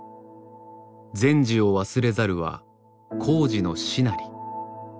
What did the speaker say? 「前事を忘れざるは後事の師なり」。